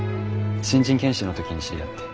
新人研修の時に知り合って。